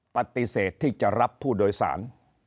ปฏิเสธที่จะรับผู้โดยสาร